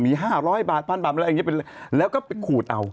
มี๕๐๐บาทอะไรอย่างนี้แล้วก็ไปขูดเอา